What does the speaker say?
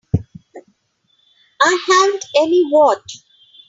I haven't any watch.